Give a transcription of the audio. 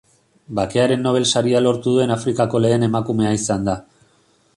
Bakearen Nobel saria lortu duen Afrikako lehen emakumea izan da.